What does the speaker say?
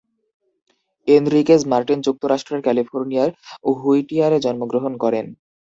Enriquez মার্কিন যুক্তরাষ্ট্রের ক্যালিফোর্নিয়ার হুইটিয়ারে জন্মগ্রহণ করেন।